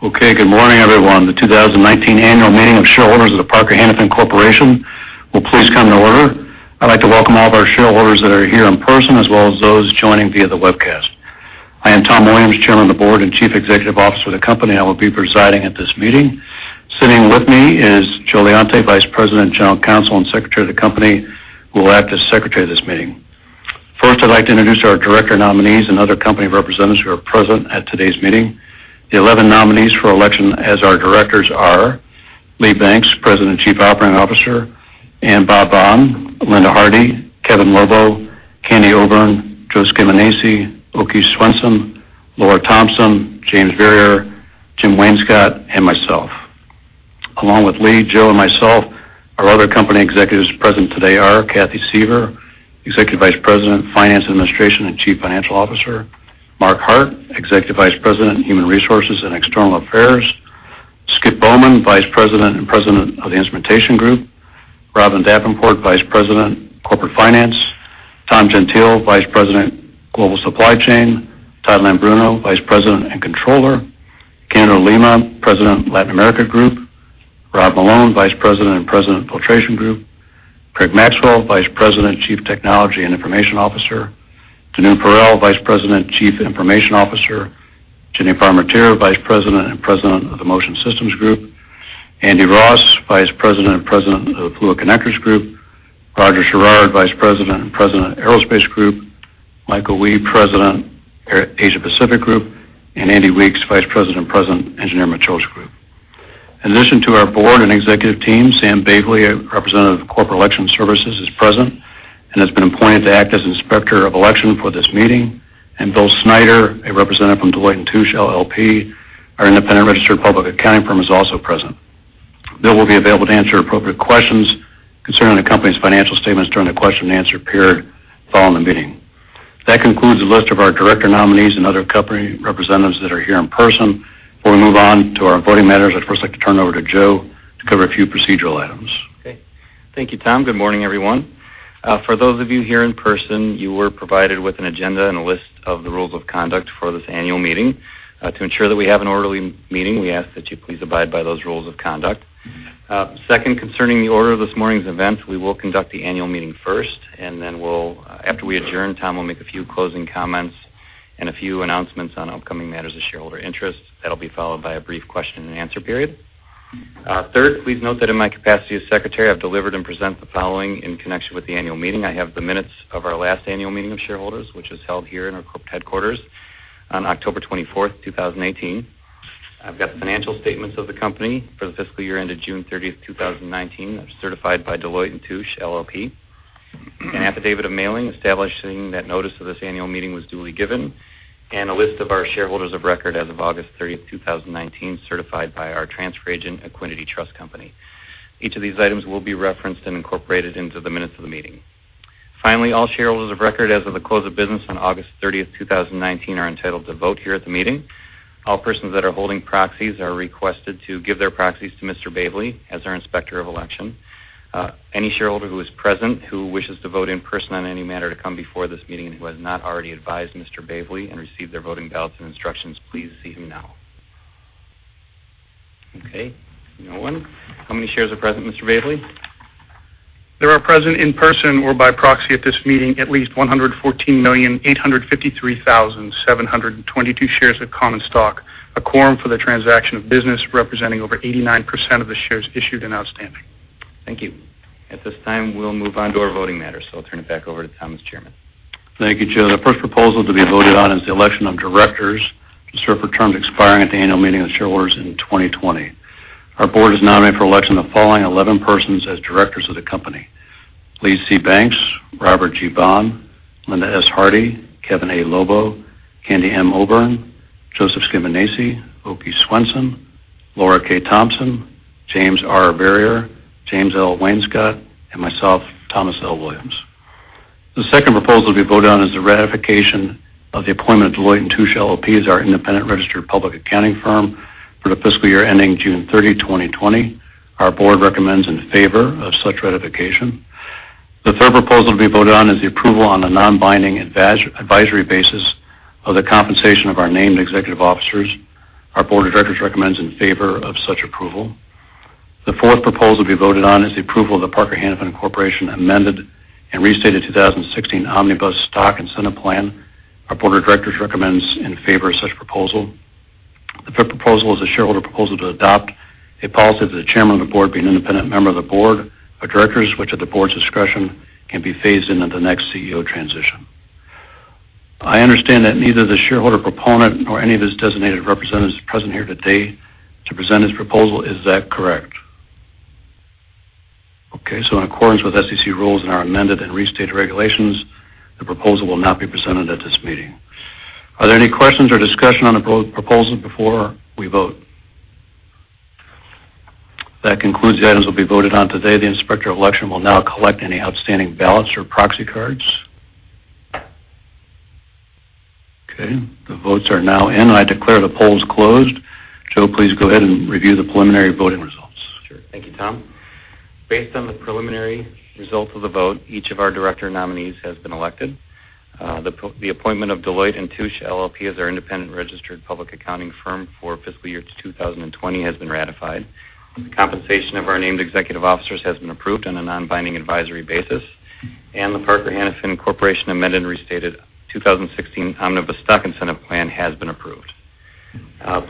Okay, good morning, everyone. The 2019 annual meeting of shareholders of the Parker-Hannifin Corporation will please come to order. I'd like to welcome all of our shareholders that are here in person, as well as those joining via the webcast. I am Tom Williams, chairman of the board and chief executive officer of the company, and I will be presiding at this meeting. Sitting with me is Joe Leonti, vice president, general counsel, and secretary of the company, who will act as secretary of this meeting. First, I'd like to introduce our director nominees and other company representatives who are present at today's meeting. The 11 nominees for election as our directors are Lee Banks, president and chief operating officer, and Bob Bohn, Linda Harty, Kevin Lobo, Candy Obourn, Joe Scaminace, Åke Svensson, Laura Thompson, James Verrier, Jim Wainscott, and myself. Along with Lee, Joe, and myself, our other company executives present today are Kathy Suever, Executive Vice President, Finance and Administration, and Chief Financial Officer. Mark Hart, Executive Vice President, Human Resources and External Affairs. Skip Bowman, Vice President and President of the Instrumentation Group. Robin Davenport, Vice President, Corporate Finance. Tom Gentile, Vice President, Global Supply Chain. Todd Leombruno, Vice President and Controller. Candido Lima, President, Latin America Group. Rob Malone, Vice President and President of Filtration Group. Craig Maxwell, Vice President and Chief Technology and Innovation Officer. Tanuja Parekh, Vice President and Chief Information Officer. Jenny Parmentier, Vice President and President of the Motion Systems Group. Andy Ross, Vice President and President of Fluid Connectors Group. Roger Sherrard, Vice President and President of Aerospace Group. Michael Wee, President, Asia Pacific Group, and Andy Weeks, Vice President and President, Engineering Materials Group. In addition to our board and executive team, Sam Bavely, a representative of Corporate Election Services, is present and has been appointed to act as inspector of election for this meeting. Bill Snyder, a representative from Deloitte & Touche LLP, our independent registered public accounting firm, is also present. Bill will be available to answer appropriate questions concerning the company's financial statements during the question and answer period following the meeting. That concludes the list of our director nominees and other company representatives that are here in person. Before we move on to our voting matters, I'd first like to turn it over to Joe to cover a few procedural items. Okay. Thank you, Tom. Good morning, everyone. For those of you here in person, you were provided with an agenda and a list of the rules of conduct for this annual meeting. To ensure that we have an orderly meeting, we ask that you please abide by those rules of conduct. Second, concerning the order of this morning's events, we will conduct the annual meeting first. After we adjourn, Tom will make a few closing comments and a few announcements on upcoming matters of shareholder interest. That'll be followed by a brief question and answer period. Third, please note that in my capacity as secretary, I've delivered and present the following in connection with the annual meeting. I have the minutes of our last annual meeting of shareholders, which was held here in our corporate headquarters on October 24th, 2018. I've got the financial statements of the company for the fiscal year ended June 30th, 2019, that was certified by Deloitte & Touche LLP. An affidavit of mailing establishing that notice of this annual meeting was duly given. A list of our shareholders of record as of August 30th, 2019, certified by our transfer agent, Equiniti Trust Company. Each of these items will be referenced and incorporated into the minutes of the meeting. All shareholders of record as of the close of business on August 30th, 2019, are entitled to vote here at the meeting. All persons that are holding proxies are requested to give their proxies to Mr. Bavely as our Inspector of Election. Any shareholder who is present who wishes to vote in person on any matter to come before this meeting and who has not already advised Mr. Bavely and received their voting ballots and instructions, please see him now. Okay, no one. How many shares are present, Mr. Bavely? There are present in person or by proxy at this meeting at least 114,853,722 shares of common stock, a quorum for the transaction of business representing over 89% of the shares issued and outstanding. Thank you. At this time, we'll move on to our voting matters. I'll turn it back over to Tom as Chairman. Thank you, Joe. The first proposal to be voted on is the election of directors to serve for terms expiring at the annual meeting of shareholders in 2020. Our board has nominated for election the following 11 persons as directors of the company: Lee C. Banks, Robert G. Bohn, Linda S. Harty, Kevin A. Lobo, Candy M. Obourn, Joseph Scaminace, Åke Svensson, Laura K. Thompson, James R. Verrier, James L. Wainscott, and myself, Thomas L. Williams. The second proposal to be voted on is the ratification of the appointment of Deloitte & Touche LLP as our independent registered public accounting firm for the fiscal year ending June 30, 2020. Our board recommends in favor of such ratification. The third proposal to be voted on is the approval on a non-binding advisory basis of the compensation of our named executive officers. Our board of directors recommends in favor of such approval. The fourth proposal to be voted on is the approval of the Parker-Hannifin Corporation amended and restated 2016 Omnibus Stock Incentive Plan. Our board of directors recommends in favor of such proposal. The fifth proposal is a shareholder proposal to adopt a policy that the chairman of the board be an independent member of the board of directors, which at the board's discretion, can be phased in at the next CEO transition. I understand that neither the shareholder proponent nor any of his designated representatives are present here today to present his proposal. Is that correct? In accordance with SEC rules and our amended and restated regulations, the proposal will not be presented at this meeting. Are there any questions or discussion on the proposal before we vote? If that concludes, the items will be voted on today. The inspector of election will now collect any outstanding ballots or proxy cards. Okay, the votes are now in, and I declare the polls closed. Joe, please go ahead and review the preliminary voting results. Sure. Thank you, Tom. Based on the preliminary results of the vote, each of our director nominees has been elected. The appointment of Deloitte & Touche LLP as our independent registered public accounting firm for fiscal year 2020 has been ratified. The compensation of our named executive officers has been approved on a non-binding advisory basis, and the Parker-Hannifin Corporation amended restated 2016 Omnibus Stock Incentive Plan has been approved.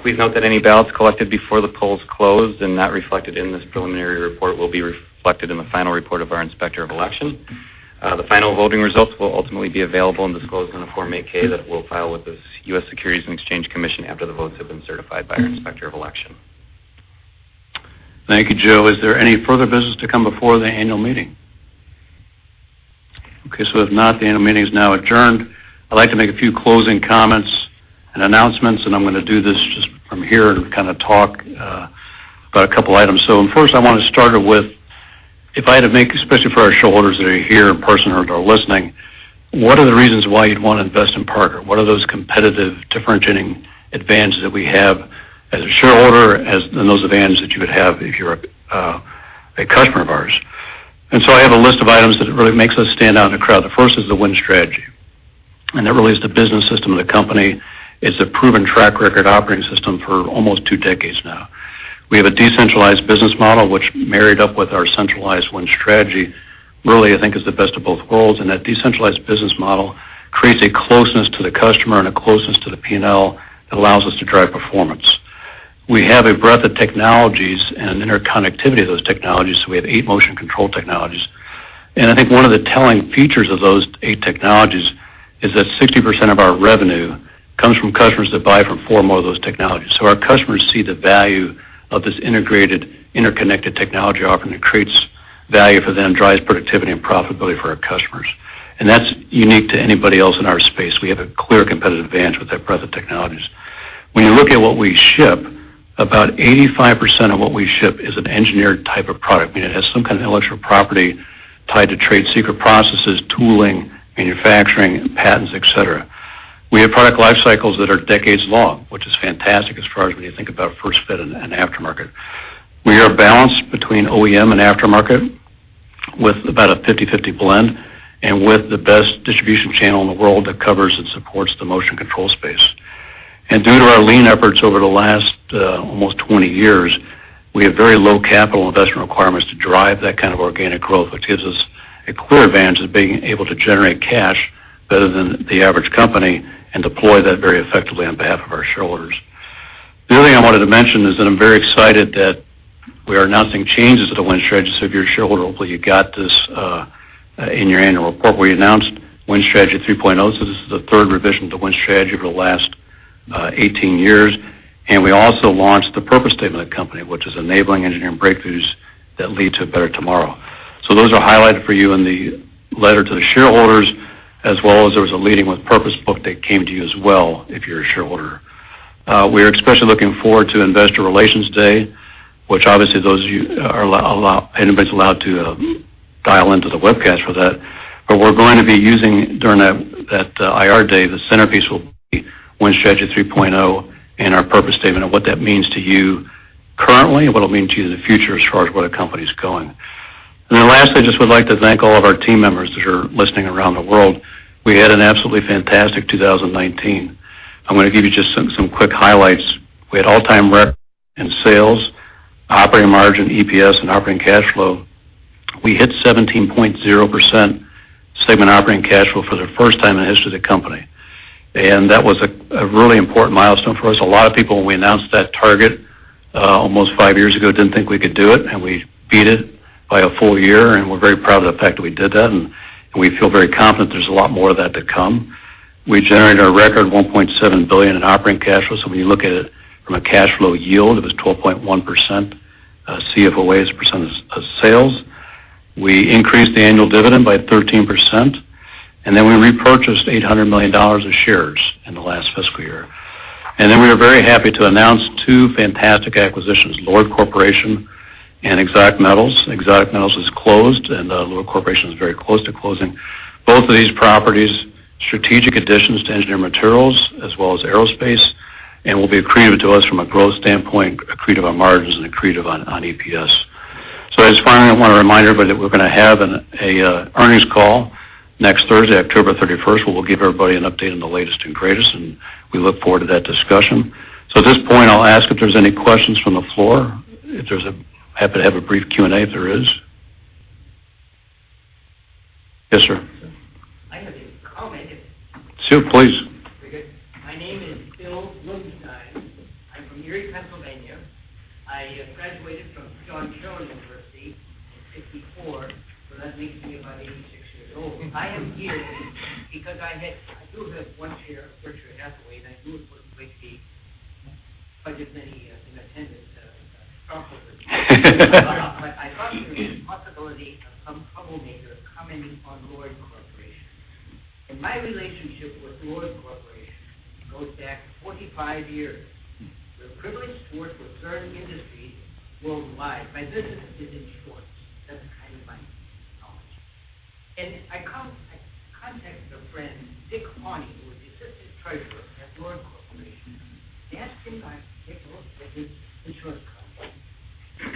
Please note that any ballots collected before the polls closed and not reflected in this preliminary report will be reflected in the final report of our Inspector of Election. The final voting results will ultimately be available and disclosed in a Form 8-K that we'll file with the U.S. Securities and Exchange Commission after the votes have been certified by our Inspector of Election. Thank you, Joe. Is there any further business to come before the annual meeting? Okay, if not, the annual meeting is now adjourned. I'd like to make a few closing comments and announcements, and I'm going to do this just from here and kind of talk about a couple items. First, I want to start it with, if I had to make, especially for our shareholders that are here in person or that are listening, what are the reasons why you'd want to invest in Parker? What are those competitive differentiating advantages that we have as a shareholder and those advantages that you would have if you're a customer of ours? I have a list of items that really makes us stand out in a crowd. The first is the Win Strategy, and that really is the business system of the company. It's a proven track record operating system for almost two decades now. We have a decentralized business model, which married up with our centralized Win Strategy, really, I think is the best of both worlds. That decentralized business model creates a closeness to the customer and a closeness to the P&L that allows us to drive performance. We have a breadth of technologies and interconnectivity of those technologies. We have eight motion control technologies. I think one of the telling features of those eight technologies is that 60% of our revenue comes from customers that buy from four or more of those technologies. Our customers see the value of this integrated, interconnected technology offering that creates value for them, drives productivity and profitability for our customers. That's unique to anybody else in our space. We have a clear competitive advantage with that breadth of technologies. When you look at what we ship, about 85% of what we ship is an engineered type of product, meaning it has some kind of intellectual property tied to trade secret processes, tooling, manufacturing, and patents, et cetera. We have product life cycles that are decades long, which is fantastic as far as when you think about first fit and aftermarket. We are balanced between OEM and aftermarket with about a 50/50 blend and with the best distribution channel in the world that covers and supports the motion control space. Due to our lean efforts over the last almost 20 years, we have very low capital investment requirements to drive that kind of organic growth, which gives us a clear advantage of being able to generate cash better than the average company and deploy that very effectively on behalf of our shareholders. The other thing I wanted to mention is that I'm very excited that we are announcing changes to the Win Strategy. If you're a shareholder, hopefully, you got this in your annual report. We announced Win Strategy 3.0, this is the third revision to Win Strategy over the last 18 years. We also launched the purpose statement of the company, which is enabling engineering breakthroughs that lead to a better tomorrow. Those are highlighted for you in the letter to the shareholders, as well as there was a Leading with Purpose book that came to you as well, if you're a shareholder. We are especially looking forward to Investor Relations Day, which obviously anybody's allowed to dial into the webcast for that. We're going to be using during that IR day, the centerpiece will be Win Strategy 3.0 and our purpose statement of what that means to you currently and what it'll mean to you in the future as far as where the company's going. Lastly, I just would like to thank all of our team members that are listening around the world. We had an absolutely fantastic 2019. I'm going to give you just some quick highlights. We had all-time record in sales, operating margin, EPS, and operating cash flow. We hit 17.0% segment operating cash flow for the first time in the history of the company. That was a really important milestone for us. A lot of people, when we announced that target almost five years ago, didn't think we could do it, and we beat it by a full year, and we're very proud of the fact that we did that, and we feel very confident there's a lot more of that to come. We generated a record $1.7 billion in operating cash flow. When you look at it from a cash flow yield, it was 12.1% CFOA, % of sales. We increased the annual dividend by 13%. We repurchased $800 million of shares in the last fiscal year. We are very happy to announce two fantastic acquisitions, LORD Corporation and Exotic Metals. Exotic Metals is closed, and LORD Corporation is very close to closing. Both of these properties, strategic additions to Engineering Materials as well as Aerospace, and will be accretive to us from a growth standpoint, accretive on margins, and accretive on EPS. Just finally, I want to remind everybody that we're going to have an earnings call next Thursday, October 31st, where we'll give everybody an update on the latest and greatest, and we look forward to that discussion. At this point, I'll ask if there's any questions from the floor. Happy to have a brief Q&A if there is. Yes, sir. I have one. I'll make it. Sure, please. Very good. My name is Bill Wittgenstein. I'm from Erie, Pennsylvania. I graduated from John Carroll University in 1964, so that makes me about 86 years old. I am here because I do have one share of Berkshire Hathaway. I knew it was quite the as many in attendance to talk with you. I thought there was a possibility of some troublemaker commenting on LORD Corporation. My relationship with LORD Corporation goes back 45 years. We're privileged to work with certain industries worldwide. My business is insurance. I contacted a friend, [Dick Carney], who was the assistant treasurer at LORD Corporation, and asked him if I could take a look at his insurance contract.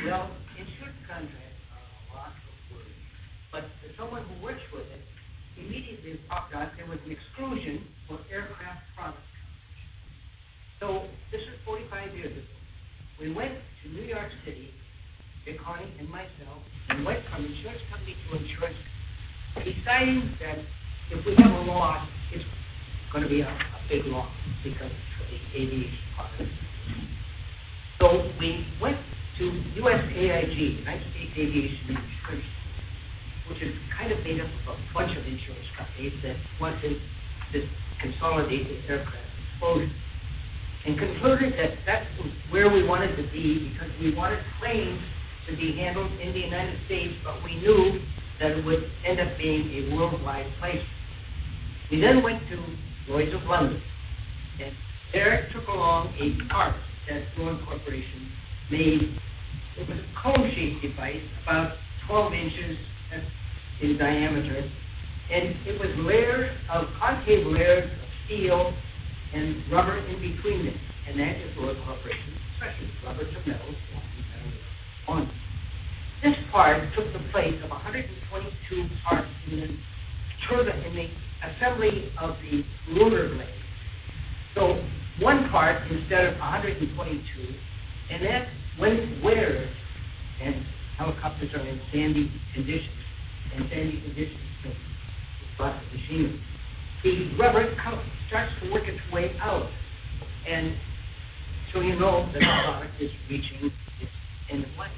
Well, insurance contracts are lots of words, but someone who works with it immediately popped out. There was an exclusion for aircraft product coverage. This was 45 years ago. We went to New York City, [Dick Carney] and myself, went from insurance company to insurance company, deciding that if we have a loss, it's going to be a big loss because it's for an aviation product. We went to USAIG, United States Aircraft Insurance Group, which is kind of made up of a bunch of insurance companies that wanted to consolidate the aircraft exposure, concluded that that's where we wanted to be because we wanted claims to be handled in the United States, we knew that it would end up being a worldwide placement. We went to Lloyd's of London, [Dick] took along a part that LORD Corporation made. It was a cone-shaped device about 12 inches in diameter, it was concave layers of steel and rubber in between it, that is LORD Corporation's specialty, rubber to metal, bonding metal. This part took the place of 122 parts in the assembly of the rotor blade. One part instead of 122. As when it wears, helicopters are in sandy conditions. The rubber starts to work its way out, you know the product is reaching its end of life.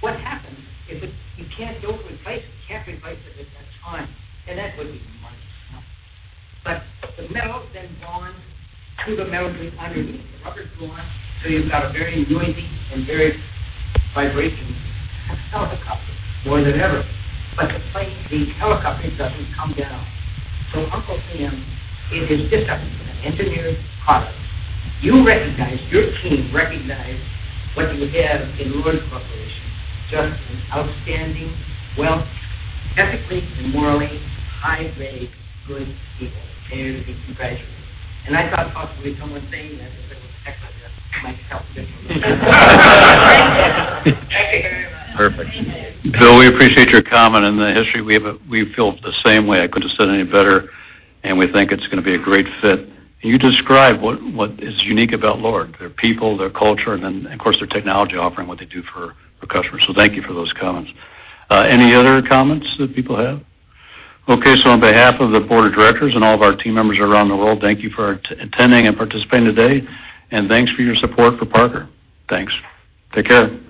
What happens is you can't over-replace it. You can't replace it at that time, that would be money as well. The metal is then bonded to the metal group underneath, the rubber is gone. You've got a very noisy and very vibration-y helicopter more than ever. The helicopter doesn't come down. Uncle Sam is interested in an engineered product. You recognized, your team recognized what you have in LORD Corporation, just an outstanding wealth, ethically and morally high grade good people. Congratulations. I thought possibly someone saying that as they were checking us might help just a little bit. Thank you very much. Perfect. Bill, we appreciate your comment and the history. We feel the same way. I couldn't have said it any better, and we think it's going to be a great fit. You describe what is unique about LORD, their people, their culture, and then of course, their technology offering, what they do for customers. Thank you for those comments. Any other comments that people have? Okay. On behalf of the board of directors and all of our team members around the world, thank you for attending and participating today, and thanks for your support for Parker. Thanks. Take care.